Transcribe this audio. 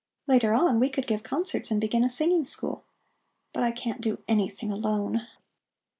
Later on we could give concerts and begin a singing school. But I can't do anything alone."